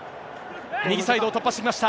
右サイドを突破してきました。